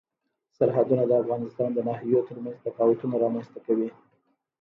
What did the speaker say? سرحدونه د افغانستان د ناحیو ترمنځ تفاوتونه رامنځ ته کوي.